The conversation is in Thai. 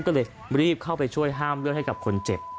ก็เลยรีบเข้าไปช่วยห้ามเลือดให้กับคนเจ็บ